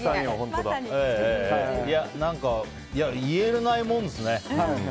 いや、言えないもんですね。